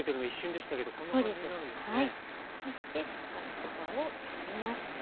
そしてしっかり皮を取りますね。